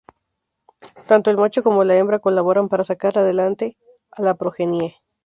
Tanto el macho como la hembra colaboran para sacar adelante a la progenie.